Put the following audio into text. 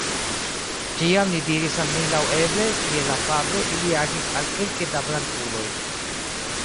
Tiam li diris al mi laŭeble, kiel afable ili agis al kelke da blankuloj.